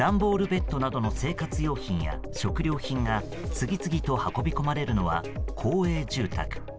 ベッドなどの生活用品や食料品が次々と運び込まれるのは公営住宅。